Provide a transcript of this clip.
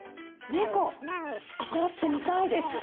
猫？なってみたいです。